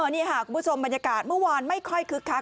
นี่ค่ะคุณผู้ชมบรรยากาศเมื่อวานไม่ค่อยคึกคัก